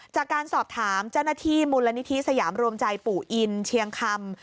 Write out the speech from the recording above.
จากการสอบถามจนทรีย์มูลณิธิสยามรวมใจปู่อินเชียงคำ